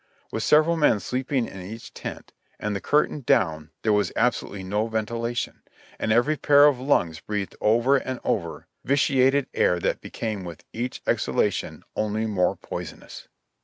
.With several men sleeping in each tent, and the curtain down, there was absolutely no ventilation ; and every pair of lungs breathed over and over vitiated air that became with each ex halation only more poisonous.